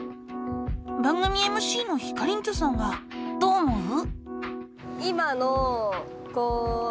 番組ＭＣのひかりんちょさんはどう思う？